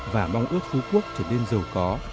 và mong ước phú quốc trở nên giàu có